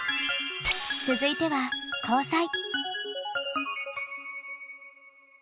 続いては交際。